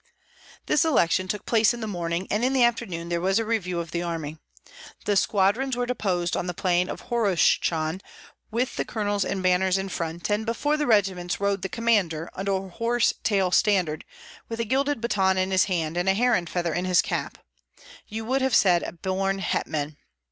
This election took place in the morning, and in the afternoon there was a review of the army. The squadrons were disposed on the plain of Horoshchan, one by the other in great order, with the colonels and banners in front; and before the regiments rode the commander, under a horse tail standard, with a gilded baton in his hand, and a heron feather in his cap, you would have said, a born hetman!